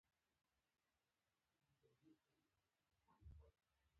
په قاموس لیکنه کې له متلونو ګټه اخیستل کیږي